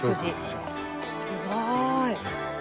すごーい。